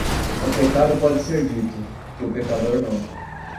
O pecado pode ser dito, que o pecador não.